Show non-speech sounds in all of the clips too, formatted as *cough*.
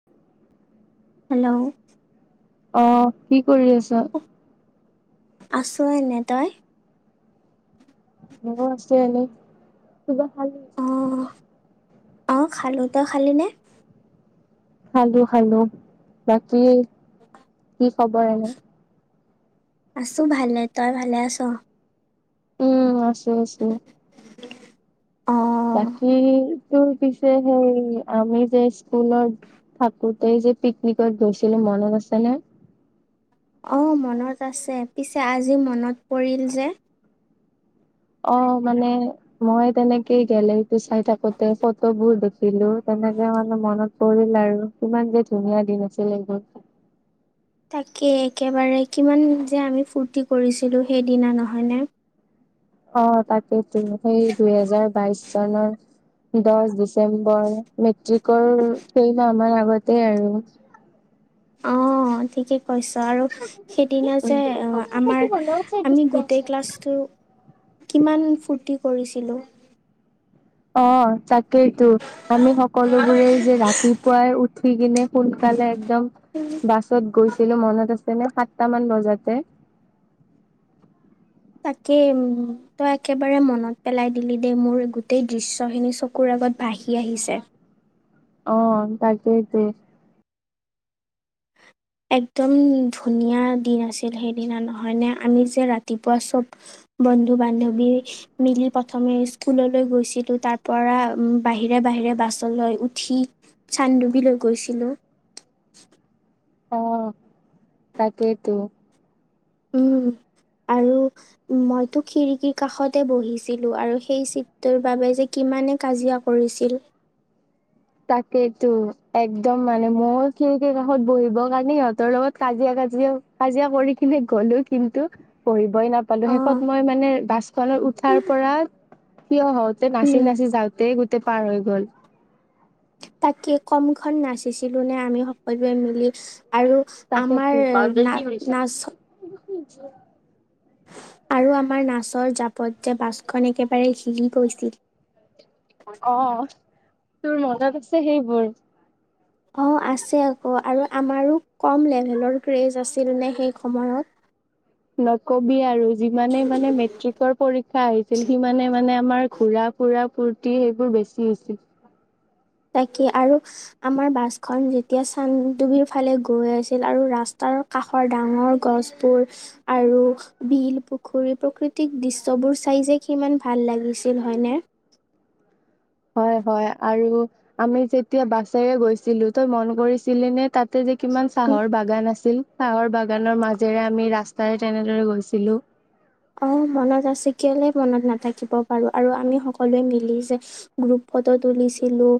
*inaudible* Hello অ কি কৰি আছা আছো এনেই তই মইও আছো এনেই কিবা খালি অ অ খালো তই খালি নে খালো খালো বাকী কি খবৰ এনে আছোঁ ভালে তই ভালে আছ উম আছো আছো অ বাকী তোৰ পিছে সেই আমি যে স্কুলত থাকোতেই যে পিকনিকত গৈছিলো মনত আছে নে অ মনত আছে, পিছে আজি মনত পৰিল যে অ মানে মই, তেনেকেই গেলেৰিটো চাই থাকোতে ফটোবোৰ দেখিলো। তেনেকে মানে মনত পৰিল আৰু ইমান যে, ধুনীয়া দিন আছিল এইবোৰ। তাকে একেবাৰে কিমান যে আমি ফুৰ্তি কৰিছিলো, সেইদিনা নহয় নে অ তাকেইতো সেই দুইহেজাৰ বাইছ চনৰ দহ ডিচেম্বৰ মেট্ৰিকৰ কেইমাহ মানৰ আগতে আৰু। অ ঠিকেই। কৈছ আৰু সেইদিনা যে আমাৰ আমি গোটেই ক্লাছটো কিমান ফূৰ্তি কৰিছিলো। অ তাকেইতো আমি সকলোবোৰে যে ৰাতিপুৱাই উঠি কিনে সোনকালে একদম বাছত গৈছিলো, মনত আছে নে সাতটা মান বজাতে। তাকে উম তই, একেবাৰে মনত পেলাই দিলি, দেই মোৰ গোটেই দৃশ্য খিনি চকু চকুৰ আগত ভাহি আহিছে। অ তাকেইতো একদম ধুনীয়া দিন আছিল, সেইদিনা নহয়নে আমি যে ৰাতিপুৱা চব বন্ধু বান্ধৱী - মিলি প্ৰথমে স্কুললৈ গৈছিলো, তাৰ পৰা উম বাহিৰে বাহিৰে বাছলৈ উঠি - চানডুবিলৈ গৈছিলো। অ তাকেইতো। উম, আৰু - মইতো খিৰিকিৰ কাষতে বহিছিলো, আৰু সেই চিতটোৰ বাবে যে কিমানে কাজিয়া - কৰিছিল। তাকেইেতো একদম মানে মোৰ খিৰিকীৰ কাষত বহিবৰ কাৰণে সিহঁতৰ লগত কাজিয়া কাজিয়া - কাজিয়া কৰি কিনে গলো, কিন্তু বহিবই নাপালো অ শেষত মই মানে বাছ - খনত উঠাৰ পৰা ঠিয় হওঁতে নাচি উম নাচি যাওঁতেই গোটেই পাৰ হৈ গল। তাকে কম খন নাচিছিলো নে আমি সকলোৱে মিলি আৰু - আমাৰ তাকেতো। না নাচ - *unintelligible* আৰু আমাৰ নাচৰ জাপত যে বাছখন একেবাৰে হিলি গৈছিল। অ অ, তোৰ মনত আছে সেইবোৰ? অ আছে আকৌ আৰু আমাৰো কম লেভেলৰ ক্ৰেজ আছিল নে সেই সময়ত। ন কবি আৰু। যিমানেই মানে মেট্ৰিকৰ পৰীক্ষা আহিছিল সিমানে মানে আমাৰ ঘুৰা-ফুৰা - ফুুৰ্তি সেইবোৰ বেছি হৈছিল। তাকে আৰু - আমাৰ বাছখন যেতিয়া চানডুবিৰ ফালে গৈ আছিল আৰু ৰাস্তাৰ - কাষৰ ডাঙৰ গছবোৰ আৰু - বিল, পুখুৰী প্ৰাকৃতিক দৃশ্যবোৰ চাই যে কিমান ভাল লাগিছিল হয়নে? হয় হয়, আৰু আমি যেতিয়া বাছেৰে গৈছিলো তই মন কৰিছিলি নে তাতে যে - কিমান চাহৰ বাগান আছিল, চাহৰ বাগানৰ মাজেৰে আমি ৰাস্তাৰে তেনেদৰে গৈছিলো। অ, মনত আছে কেলে মনত নাথাকিব বাৰু আৰু আমি সকলোৱে মিলি যে - গ্ৰুপ ফটো তুলিছিলো,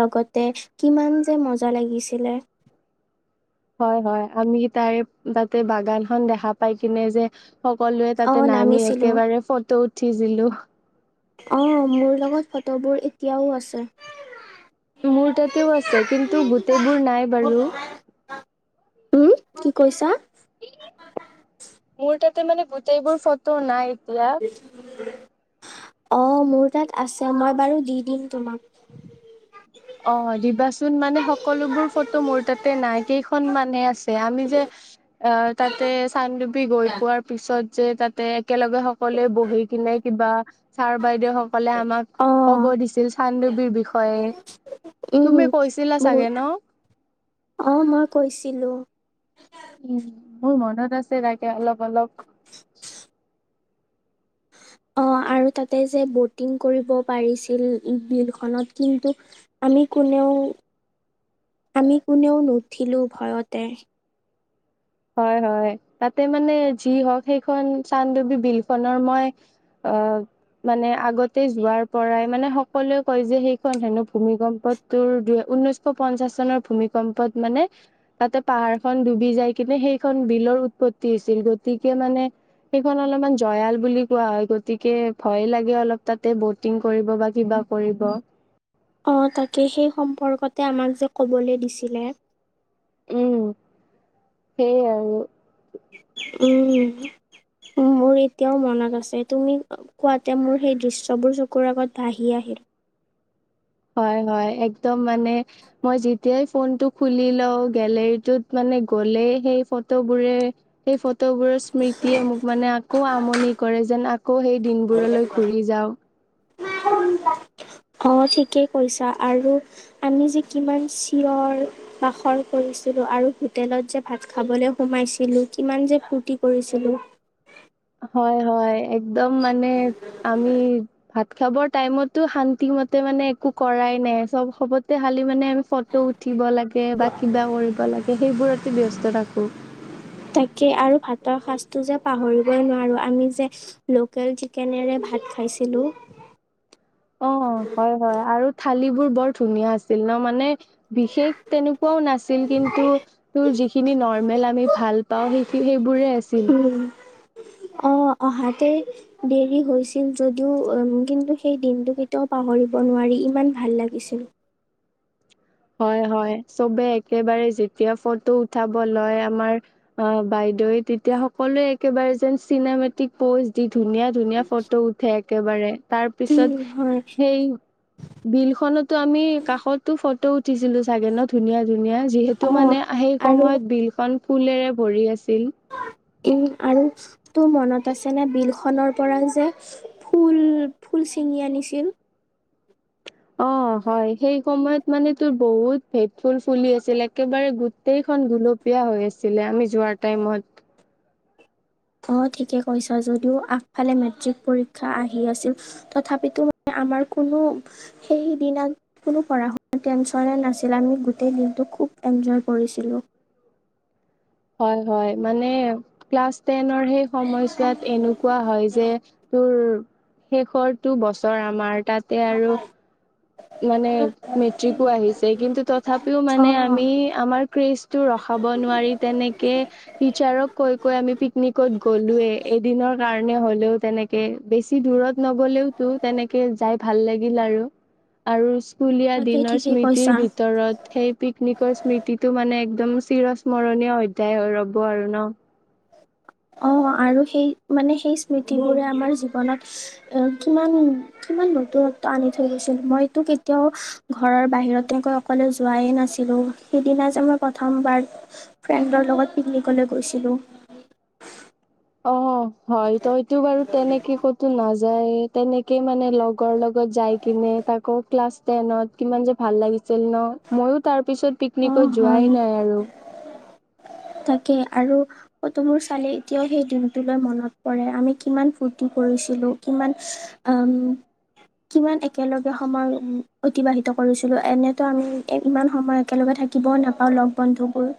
লগতে কিমান যে মজা লাগিছিলে। হয় হয়, আমি তাৰে তাতে বাগানখন দেখা পাই কিনে যে - সকলোৱে অ তাতে নামি নামিছিলো একেবাৰে ফটো উঠিছিলো। অঁ মোৰ লগত ফটোবোৰ এতিয়াও আছে। মোৰ তাতেও আছে, কিন্তু গোটেইবোৰ নাই বাৰু। উম, কি কৈছা? মোৰ তাতে মানে গোটেইবোৰ ফটো নাই এতিয়া। অ, মোৰ তাত আছে মই বাৰু দি দিম তোমাক। অ দিবাচোন মানে সকলোবোৰ ফটো মোৰ তাতে নাই কেইখন মানে আছে। আমি যে - অ তা - তে চানডুপি গৈ পোৱাৰ পিছত যে তাতে একেলগে সকলোৱে বহি কিনে কিবা - ছাৰ-বাইদেউসকলে আমাক অ কব দিছিল চানডুবিৰ বিষয়ে। উম তুমি কৈছিলা চাগে বহুত, ন অ মই কৈছিলো। উম, মোৰ মনত আছে তাকে অলপ অলপ। অ, আৰু তাতে যে ব'টিং কৰিব পাৰিছিল বিলখনত কিন্তু - আমি কোনেও আমি কোনেও নুঠিলো ভয়তে। হয় হয়, তাতে মানে যি হওঁক সেইখন চানডুবিৰ বিলখনৰ মই - অ - মানে আগতে যোৱাৰ পৰাই মানে সকলোৱে কয় যে সেইখন হেনো ভূমিকম্পত - তোৰ দুৰ ঊনৈশ পঞ্চাশ চনৰ ভূমিকম্পত মানে তাতে পাহাৰ খন ডুবি যায় কিন্তু সেইখন বিলৰ উৎপত্তি হৈছিল গতিকে মানে সেইখন অলপমান জয়াল বুলি কোৱা হয় গতিকে ভয় লাগে অলপ তাতে বহুত টিং কৰিব বা কিবা কৰিব অঁ তাকে সেই সম্পৰ্কতে আমাক যে ক'বলে দিছিলে উম সেই আৰু উম মোৰ এতিয়াও মনত আছে তুমি শুৱা টাইমত সেই দৃশ্যবোৰ চকুৰ আগত ভাহি আহে হয় হয় একদম মানে মই যেতিয়াই ফোনটো খুলি লও গলেৰীটোত মানে গ'লে সেই ফ'টবোৰে সেই ফটোবোৰৰ স্মৃতিয়ে মোক মানে আকৌ আমনি কৰে যেন আ আকৌ সেই দিনবোৰলৈ ঘূৰি যাওঁ অ ঠিকেই কৈছা আৰু আমি যে কিমান চিঞৰ বাখৰ কৰিছিলো আৰু হোটেলত যে ভাত খাবলৈ সোমাইছিলো কিমান যে ফূৰ্তি কৰিছিলো হয় হয় একদম মানে আমি ভাত খাবৰ টাইমতো শান্তি মতে মানে একো কৰাই নাই চব চব সমতে খালি মানে আমি ফটো উঠিব লাগে বা কিবা কৰিব লাগে সেইবোৰতে ব্যস্ত থাকো তাকে আৰু ভাতৰ সাঁজটো যে পাহৰিবই নোৱাৰোঁ আমি যে লোকেল চিকেনেৰে ভাত খাইছিলোঁ অ হয় হয় আৰু থালিবোৰ বৰ ধুনীয়া আছিল ন মানে বিশেষ তেনেকুৱাও নাছিল কিন্তু তোৰ যিখিনি নৰ্মেল আমি ভাল পাওঁ সেই সেইবোৰে আছিল অ অহাতেই দেৰি হৈছিল যদিও কিন্তু সেই দিনটো কেতিয়াও পাহৰিব নোৱাৰি ইমান ভাল লাগিছিল হয় হয় চবে একেবাৰে যেতিয়া ফটো উঠাব লয় আমাৰ অ বাইদেউৱে তেতিয়া সকলোৱে একেবাৰে যেন চিনেমেটিক প'জ দি ধুনীয়া ধুনীয়া ফট ফটো উঠে একেবাৰে তাৰপিছত উম হয় সেই বিল খনতো আমি কাষতো ফট উঠিছিলো চাগে ন ধুনীয়া ধুনীয়া যিহেতু অ মানে আ হেই আৰু সময়ত বিলখন ফুলৰে ভৰি আছিল উম আৰু তোৰ মনত আছে নে বিল খনৰ পৰা যে ফুল ফুল চিঙি আনিছিল অ হয় সেই সময়ত মানে তোৰ বহুত ভেদ ফুল ফুলি আছিলে একেবাৰে গোট গোটেইখন গুলপীয়া হৈ আছিলে আমি যোৱাৰ টাইমত অ ঠিকে কৈছ যদিও আগফালে মেট্ৰিক পৰীক্ষা আহি আছিল তথাপিতো ম আমাৰ কোনো সেই দিনা কোনো পঢ়া শুনা টেনচনে নাছিলে আমি গোটেই দিনটো খুব এনজয় কৰিছিলোঁ হয় হয় মানে ক্লাছ টেনৰ সেই সময়ছোৱাত এনেকুৱা হয় যে তোৰ শেষৰটো বছৰ আমাৰ তাতে আৰু মানে মেট্ৰিকো আহিছে কিন্তু তথাপিও অ মানে আমি আমাৰ ক্ৰেজ টো ৰখাব নোৱাৰি তেনেকে টিচাৰক কৈ কৈ আমি পিকনিকত গ'লোয়ে এদিনৰ কাৰণে হলেও তেনেকে বেছি দূৰত নগলেও টো তেনেকে যাই ভাল লাগিল আৰু আৰু স্কুলীয়া তাকে দিনৰ ঠিকেই স্মৃতিৰ কৈছা ভিতৰত সেই পিকনিকৰ স্মৃতিটো মানে একদম চিৰ স্মৰণীয় অধ্যায় হৈ ৰ'ব আৰু ন অঁ আৰু সেই মানে সেই স্মৃতিবোৰে আমাৰ জীৱনত এ কিমান কিমান নতুনত্ব আনি থৈ গৈছিল মইতো কেতিয়াও ঘৰৰ বাহিৰত তেনেকৈ অকলে যোৱাই নাছিলো সেইদিনা যে মই প্ৰথমবাৰ ফ্ৰেণ্ডৰ লগত পিকনিকলৈ গৈছিলো। অ হয় তইতো এইটো বাৰু তেনেকে ক'তো নাযায় তেনেকে মানে লগৰ লগত যাই কিনে তাকো ক্লাছ টেনত কিমান যে ভাল লাগিছিল ন মইও তাৰপিছত পিক নিকত অ' হয় যোৱাই নাই আৰু। তাকে আৰু ফটো বোৰ চালে এতিয়াও সেই দিনটোলৈ মনত পৰে আমি কিমান ফূৰ্তি কৰিছিলো কিমান আ ম কিমান একেলগে সময় অতিবাহিত কৰিছিলো এনেতো আমি ইমান সময় একেলগে থা কিব নাপাওঁ লগ বন্ধুবোৰ।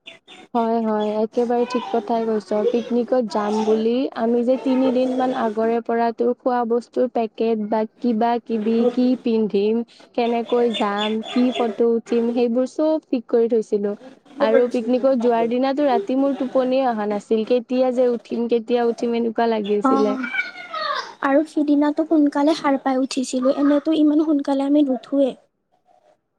*inaudible* হয় হয় একেবাৰে ঠিক কথাই কৈছ পিকনিকত যাম বুলি আমি যে তিনি দিন মান আগৰে পৰা তোৰ খোৱা বস্তুৰ পেকেট বা কিবা কিবি কি পিন্ধিম কেনকৈ যাম কি ফটো উঠিম সেইবোৰ চব ঠিক কৰি থৈছিলো। আৰু পিকনিকত *unintelligible* যোৱাৰ দিনাৰটো ৰাতি মোৰ টোপনিয়ে অহা নাছিল কেতিয়া যে উঠিম কেতিয়া উঠিম এনে অঁহ আৰু সিদিনাটো সোনকালে সাৰ পাই উঠিছিলোঁ এনেইতো ইমান সোনকালে আমি নুঠোৱে।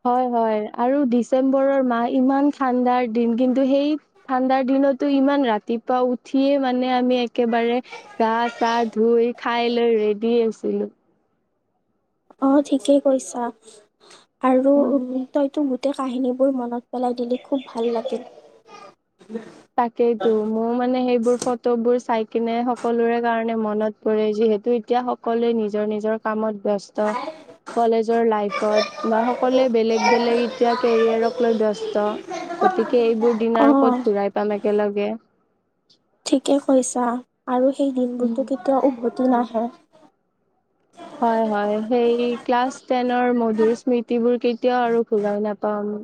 হয় হয় আৰু ডিচেম্বৰৰ মাহ ইমান ঠাণ্ডাৰ দিন কিন্তু সেই ঠাণ্ডাৰ দিনতটো ইমান ৰাতিপুৱা উঠিয়ে মানে আমি একেবাৰে গা চা ধুই খাই লৈ ৰেডি আছিলো। অ ঠিকেই কৈছা আৰু উম তইতো গোটেই কাহিনীবোৰ মনত পেলাই দিলে খুব ভাল লাগিল। তাকেইতো মোৰ মানে সেইবোৰ ফ টোবোৰ চাই কিনে সকলোৰে কাৰণে মনত পৰে যিহেতু এতিয়া সকলোৱে নিজৰ নিজৰ কামত ব্যস্ত। কলেজৰ লাইফত বা সকলোৱে বেলেগ বেলেগ এতিয়া কেৰিয়াৰক লৈ ব্যস্ত। গতিকে এইবোৰ দিন অ আৰু ক'ত ঘুৰাই পাম একেলগে। ঠিকে কৈছা আৰু সেই উম দিনবোৰতো কেতিয়াও উভতি নাহে। হয় হয় সেই ক্লাছ টেনৰ মধুৰ স্মৃতি বোৰ কেতিয়াও আৰু ঘূৰাই নাপাম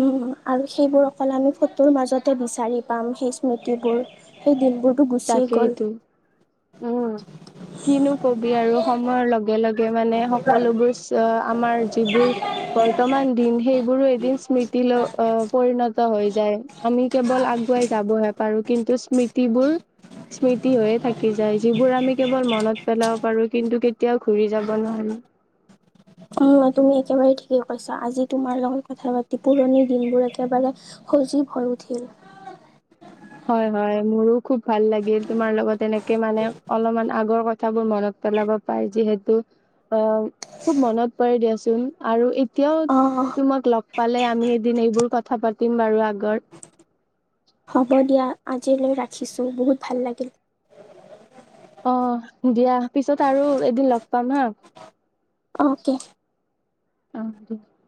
উম আৰু সেইবোৰ অকল আমি ফটোৰ মাজতে বিচাৰি পাম সেই স্মৃতিবোৰ। সেই দিনবোৰতো গুচিয়েই গ'ল। উম কিনো কবি আৰু সময়ৰ লগে লগে মানে সকলোবোৰ আ আমাৰ যিবোৰ বৰ্তমান দিন সেইবোৰো এদিন স্মৃতি ল পৰিণত হৈ যায়। আমি কেৱল আগুৱাই যাবহে পাৰো কিন্তু স্মৃতিবোৰ স্মৃতি হৈয়ে থা কি যায় যিবোৰ আমি কেৱল মনত পেলাব পাৰো কিন্তু কেতিয়াও ঘুৰি যাব নোৱাৰো। উম তুমি একেবাৰে ঠিকেই কৈছা, তোমাৰ লগত কথা পাতি পুৰণি দিনবোৰ একেবাৰে সজীৱ হৈ উঠিল। হয় হয়, মোৰো খুব ভাল লাগিল, তোমাৰ লগত এনেকে মানে অলপমান আগৰ কথাবোৰ মনত পেলাব পাই যিহেতু অ' খুব মনত পৰে দিয়াচোন আৰু এতিয়াও অ তোমাক লগ পালে আমি এইদিন এইবোৰ কথা পাতিম বাৰু আগৰ। হ'ব দিয়া আজিলৈ ৰাখিছো, বহুত ভাল লাগিল। অহ', দিয়া পিছত আৰু এদিন লগ পাম হা। অ'কে। অ', কে